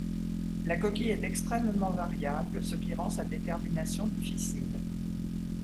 La coquille est extrêmement variable, ce qui rend sa détermination difficile.